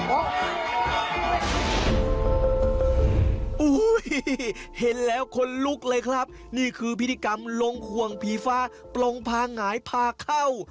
โอ้โหเห็นแล้วคนลุกเลยครับนี่คือพิธีกรรมลงห่วงผีฟ้าปลงพาหงายพาเข้า